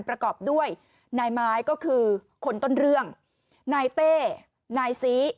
ประกอบด้วยนายไม้ก็คือคนต้นเรื่องนายเต้นายซี